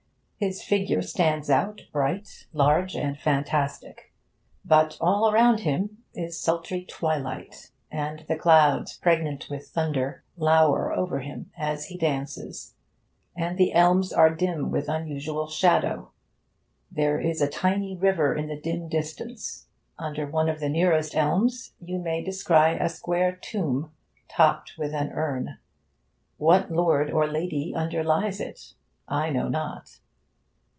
His figure stands out, bright, large, and fantastic. But all around him is sultry twilight, and the clouds, pregnant with thunder, lower over him as he dances, and the elms are dim with unusual shadow. There is a tiny river in the dim distance. Under one of the nearest elms you may descry a square tomb, topped with an urn. What lord or lady underlies it? I know not.